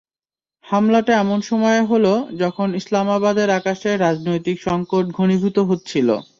হামলাটা এমন সময়ে হলো, যখন ইসলামাবাদের আকাশে রাজনৈতিক সংকট ঘনীভূত হচ্ছিল।